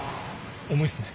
重いっすね。